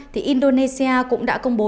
thì indonesia cũng đã công bố